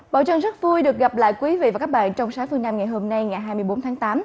bảo trân rất vui được gặp lại quý vị và các bạn trong sáng phương nam ngày hôm nay ngày hai mươi bốn tháng tám